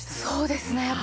そうですね。